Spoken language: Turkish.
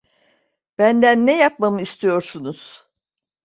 Benden ne yapmamı istiyorsunuz?